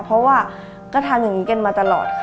เพราะว่าก็ทำอย่างนี้กันมาตลอดค่ะ